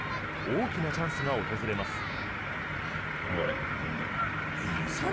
大きなチャンスが訪れます。